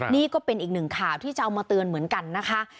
นี่ก็เป็นอีกหนึ่งข่าวที่จะเอามาเตือนเหมือนกันนะคะ